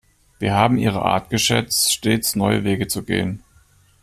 Wir haben ihre Art geschätzt, stets neue Wege zu gehen.